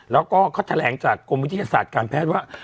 แล้วก็เขาแถลงจากกรมวิทยาศาสตร์การแพทย์ว่า